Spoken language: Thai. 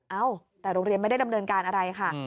เอ้าแต่โรงเรียนไม่ได้ดำเนินการอะไรค่ะ